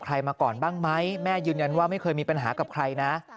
มาก่อนบ้างไหมแม่ยืนยันว่าไม่เคยมีปัญหากับใครนะ